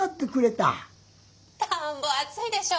「たんぼあついでしょ。